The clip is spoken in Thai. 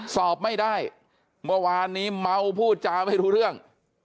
สอบไม่ได้เมื่อวานนี้เมาพูดจาไม่รู้เรื่อง